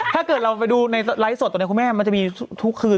ถ้าเกิดเราไปดูในไลฟ์สดตอนนี้คุณแม่มันจะมีทุกคืน